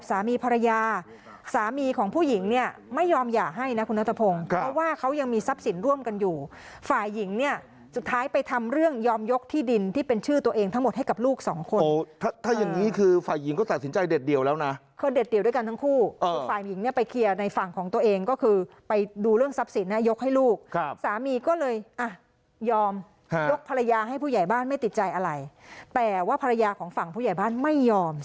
ศัพท์สินร่วมกันอยู่ฝ่ายหญิงเนี่ยสุดท้ายไปทำเรื่องยอมยกที่ดินที่เป็นชื่อตัวเองทั้งหมดให้กับลูกสองคนโอ้ถ้าอย่างงี้คือฝ่ายหญิงก็ตัดสินใจเด็ดเดียวแล้วนะก็เด็ดเดียวด้วยกันทั้งคู่ฝ่ายหญิงเนี่ยไปเคลียร์ในฝั่งของตัวเองก็คือไปดูเรื่องทรัพย์สินนะยกให้ลูกครับสามีก็เลยอ่ะยอม